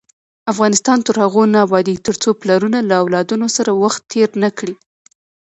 افغانستان تر هغو نه ابادیږي، ترڅو پلرونه له اولادونو سره وخت تیر نکړي.